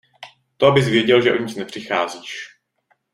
To abys věděl, že o nic nepřicházíš.